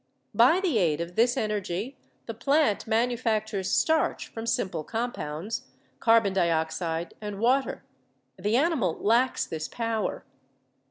By the aid of this energy the plant manufactures starch from simple compounds, carbon diox ide and water ; the animal lacks this power.